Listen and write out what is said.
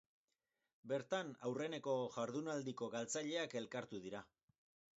Bertan aurreneko jardunaldiko galtzaileak elkartu dira.